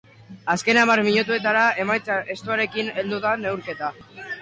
Azken hamar minutuetara emaitza estuarekin heldu da neurketa.